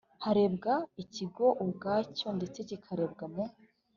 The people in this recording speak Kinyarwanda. harebwa ikigo ubwacyo ndetse kinarebwa mu